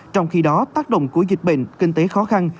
trong khi đó tác động của dịch bệnh kinh tế khó khăn